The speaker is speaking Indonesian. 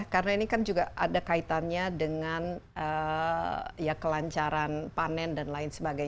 karena ini kan juga ada kaitannya dengan ya kelancaran panen dan lain sebagainya